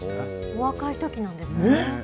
お若いときなんですね。